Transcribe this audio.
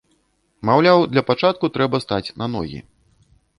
Маўляў, для пачатку трэба стаць на ногі.